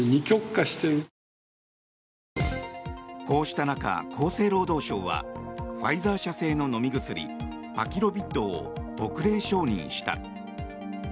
こうした中、厚生労働省はファイザー社製の飲み薬パキロビッドを特例承認した。